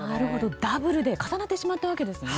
ダブルで重なってしまったんですね。